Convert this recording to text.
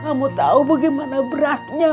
kamu tahu bagaimana beratnya